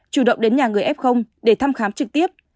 chủ động đến nhà người f để thăm khám trực tiếp